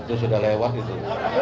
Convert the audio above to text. itu sudah lewat gitu